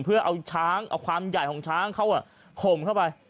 เพื่อเอาช้างเอาความใหญ่ของช้างเขาข่มเข้าไป